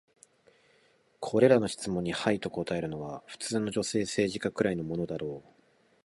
これらの質問に「はい」と答えるのは、普通の女性政治家くらいのものだろう。